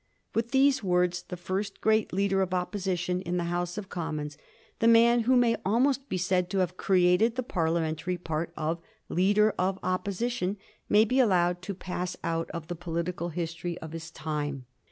With these words the first great leader of Opposition in the Hoase of Com mons, the man who may almost be said to have created the parliamentary part of leader of Opposition, may be allowed to pass out of the political history of his time.